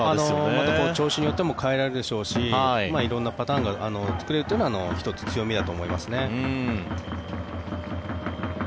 また調子によっても変えられるでしょうし色んなパターンが作れるのは１つ強みだと思いますね。